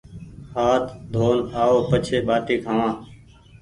هآٿ ڌون آو پڇي ٻآٽي کآوآن